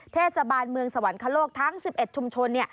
เทศบาลเมืองสวรรคโลกทั้ง๑๑ชุมชนเนี่ย